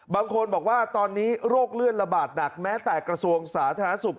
บางคนบอกว่าตอนนี้โรคเลื่อนระบาดหนักแม้แต่กระทรวงสาธารณสุข